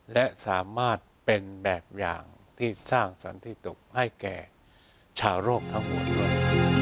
และสามารถเป็นแบบอย่างที่สร้างสรรคที่ตกให้แก่ชาวโรคทั้งหมดด้วย